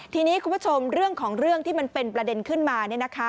ทีนี้คุณผู้ชมเรื่องของเรื่องที่มันเป็นประเด็นขึ้นมา